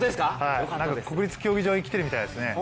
なんか国立競技場に来てるみたいですね。